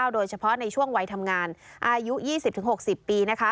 โดยเฉพาะในช่วงวัยทำงานอายุ๒๐๖๐ปี